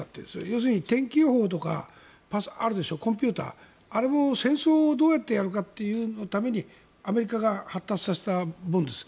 要するに天気予報とかコンピューターがあるでしょあれも戦争をどうやってやるかというためにアメリカが発達させたものです。